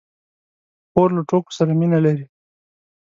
خور له ټوکو سره مینه لري.